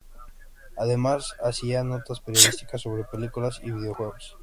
Además hacía notas periodísticas sobre películas y videojuegos.